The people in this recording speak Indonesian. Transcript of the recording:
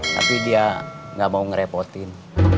tapi dia nggak mau ngerepotin